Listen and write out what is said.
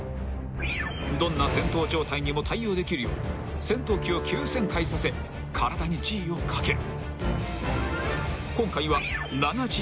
［どんな戦闘状態にも対応できるよう戦闘機を急旋回させ体にＧをかける］